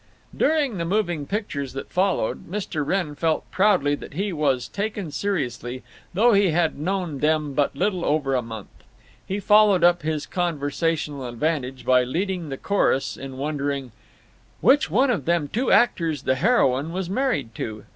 During the moving pictures that followed, Mr. Wrenn felt proudly that he was taken seriously, though he had known them but little over a month. He followed up his conversational advantage by leading the chorus in wondering, "which one of them two actors the heroine was married to?"